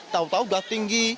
tahu tahu sudah tinggi